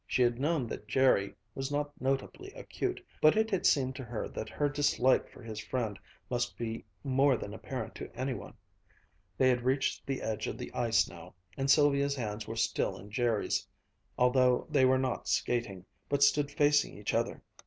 She had known that Jerry was not notably acute, but it had seemed to her that her dislike for his friend must be more than apparent to any one. They had reached the edge of the ice now, and Sylvia's hands were still in Jerry's, although they were not skating, but stood facing each other.